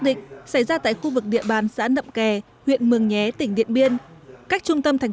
định xảy ra tại khu vực địa bàn xã nậm kè huyện mường nhé tỉnh điện biên cách trung tâm thành